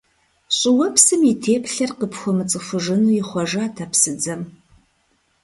ЩӀыуэпсым и теплъэр къыпхуэмыцӀыхужыну ихъуэжат а псыдзэм.